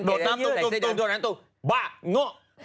นดน้ำหนูหนูบ่ะงง